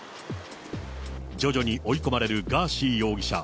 徐々に追い込まれるガーシー容疑者。